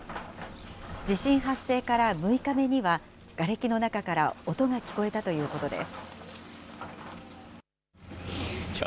地震発生から６日目には、がれきの中から音が聞こえたということです。